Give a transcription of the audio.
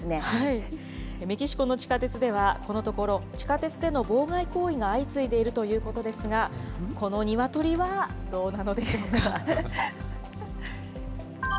メキシコの地下鉄ではこのところ、地下鉄での妨害行為が相次いでいるということですが、このニワトリはどうなのでしょうか。